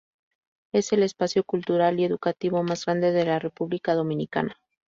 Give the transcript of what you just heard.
Es el espacio cultural y educativo más grande de la República Dominicana.